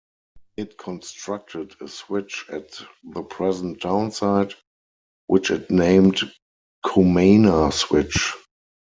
It constructed a switch at the present townsite, which it named Comana Switch.